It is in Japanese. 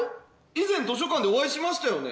以前図書館でお会いしましたよね？